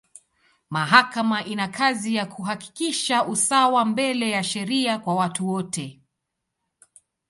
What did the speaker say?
Mahakama ina kazi ya kuhakikisha usawa mbele ya sheria kwa watu wote.